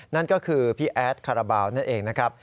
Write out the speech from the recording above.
นั่นก็คือพี่แอดคาราบาลนั่นเองนะครับ